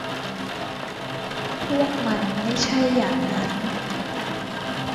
พวกมันไม่ใช่อย่างนั้น